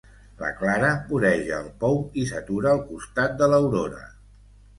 La Clara voreja el pou i s'atura al costat de l'Aurora.